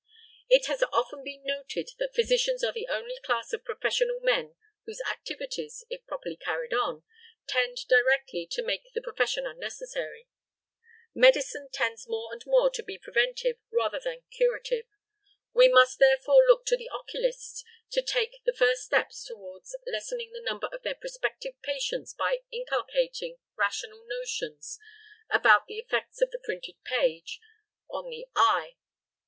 It has often been noted that physicians are the only class of professional men whose activities, if properly carried on, tend directly to make the profession unnecessary. Medicine tends more and more to be preventive rather than curative. We must therefore look to the oculists to take the first steps towards lessening the number of their prospective patients by inculcating rational notions about the effects of the printed page on the eye.